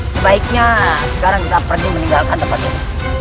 sebaiknya sekarang kita pergi meninggalkan tempat ini